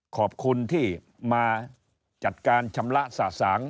ขอบคุณที่มาจัดการชำระสะสาง